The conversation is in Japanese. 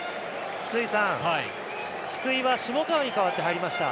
福井は下川に代わって入りました。